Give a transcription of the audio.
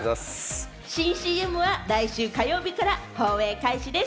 新ＣＭは来週火曜日から放映開始です。